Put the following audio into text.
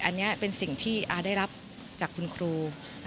อันนี้เป็นสิ่งที่อาได้รับจากคุณครู